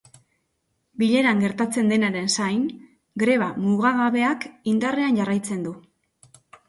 Bileran gertatzen denaren zain, greba mugagabeak indarrean jarraitzen du.